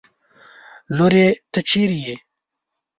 لورې! ته چېرې يې؟